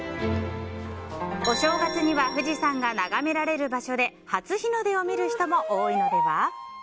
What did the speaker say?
お正月には富士山が眺められる場所で初日の出を見る人も多いのでは？